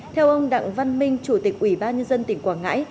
theo ông đặng văn minh chủ tịch ủy ban nhân dân tỉnh quảng ngãi